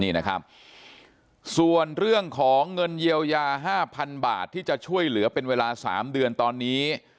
นี่นะครับส่วนเรื่องของเงินเยียวยา๕๐๐๐บาทที่จะช่วยเหลือเป็นเวลา๓เดือนตอนนี้